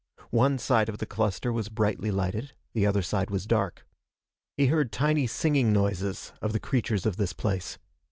One side of the cluster was brightly lighted, the other side was dark. He heard tiny singing noises of the creatures of this place.